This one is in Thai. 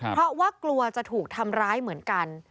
เพราะว่ากลัวจะถูกทำร้ายเหมือนกัน